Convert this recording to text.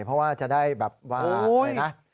เพราะว่าจะได้แบบว่าอะไรนะ